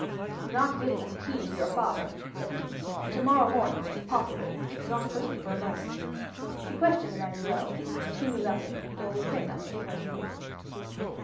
"Do not give this key to your father," said he, "and tomorrow morning, if possible, do not quit him for a moment." She questioned Emmanuel, but he knew nothing, or would not say what he knew.